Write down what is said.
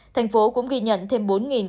thành phố cũng ghi nhận thêm bốn hai mươi bốn